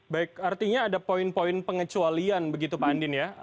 baik artinya ada poin poin pengecualian begitu pak andin ya